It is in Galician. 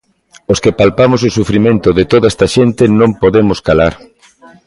Os que palpamos o sufrimento de toda esta xente non podemos calar.